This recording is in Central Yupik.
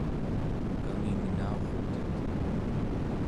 kangingnaurutet